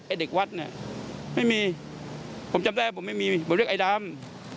เด็กวัดเนี่ยไม่มีผมจำได้ผมไม่มีผมเรียกไอ้ดำ